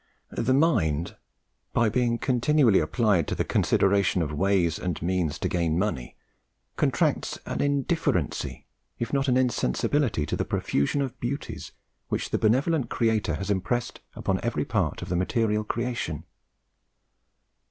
The mind, by being continually applied to the consideration of ways and means to gain money, contracts an indifferency if not an insensibility to the profusion of beauties which the benevolent Creator has impressed upon every part of the material creation.